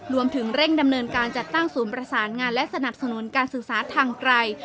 รวมถึงเร่งดำเนินการจัดตั้งศูนย์ประสานงานและสนับสนุนการศึกษาทางไกล